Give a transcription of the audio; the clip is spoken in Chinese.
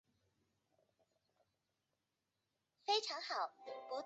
太平洋海岸山脉的部分山体为北美科迪勒拉山脉山脉以及其他各种高原和盆地。